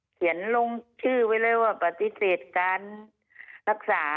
เขียนลงชื่อไว้ปฏิเสธการรักษา